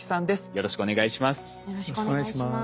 よろしくお願いします。